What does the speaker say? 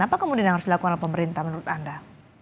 apa kemudian yang harus dilakukan oleh pemerintah menurut anda